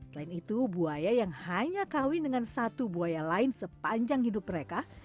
selain itu buaya yang hanya kawin dengan satu buaya lain sepanjang hidup mereka